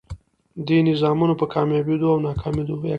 دې نظامونو په کاميابېدو او ناکامېدو